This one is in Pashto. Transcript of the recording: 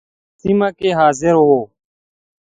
په سیمه کې حاضر وو.